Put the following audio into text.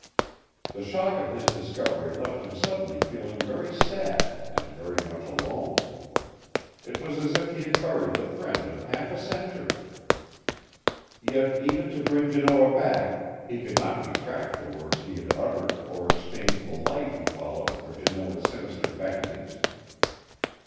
The shock of his discovery left him suddenly feeling very sad and very much alone. It was as if he had buried the friend of half a century. Yet even to bring Janoah back he could not retract the words he had uttered or exchange the light he followed for Janoah's sinister beckonings.